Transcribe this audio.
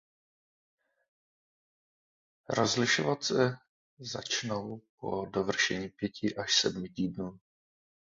Rozlišovat se začnou po dovršení pěti až sedmi týdnů.